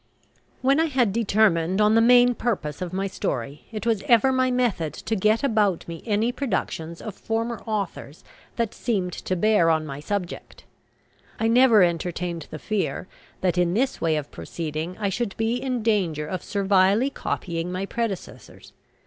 When I had determined on the main purpose of my story, it was ever my method to get about me any productions of former authors that seemed to bear on my subject. I never entertained the fear that in this way of proceeding I should be in danger of servilely copying my predecessors.